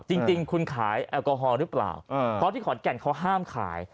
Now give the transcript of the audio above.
จริงคุณขายแอลกอฮอล์หรือเปล่าเพราะที่ขอนแก่นเขาห้ามขาย